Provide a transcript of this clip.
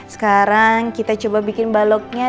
sekarang kita coba bikin baloknya